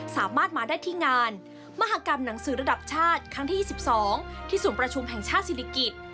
สามารถมาได้ที่งานมหากรรมหนังสือระดับชาติครั้งที่๒๒ที่ศูนย์ประชุมแห่งชาติศิริกิจ